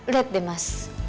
lihat deh mas